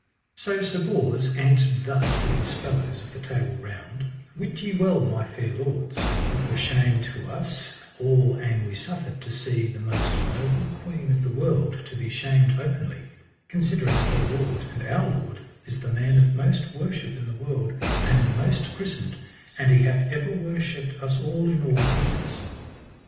So Sir Bors answered thus to his fellows of the Table Round: Wit ye well, my fair lords, it were shame to us all an we suffered to see the most noble queen of the world to be shamed openly, considering her lord and our lord is the man of most worship in the world, and most christened, and he hath ever worshipped us all in all places.